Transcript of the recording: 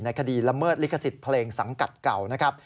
คดีละเมิดลิขสิทธิ์เพลงสังกัดเก่านะครับ